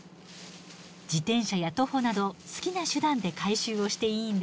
自転車や徒歩など好きな手段で回収をしていいんです。